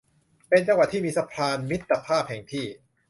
เป็นจังหวัดที่มีสะพานมิตรภาพแห่งที่